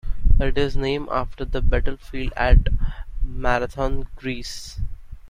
It is named after the battlefield at Marathon, Greece.